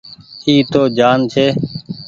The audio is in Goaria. اي تو ڃآن ڇي۔